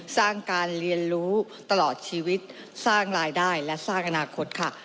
สร้างการเรียนรู้ตลอดชีวิตสร้างรายได้และสร้างอนาคตค่ะ